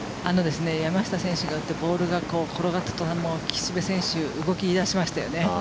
山下選手が打ってボールが転がった途端岸部選手、動き出しましたよね。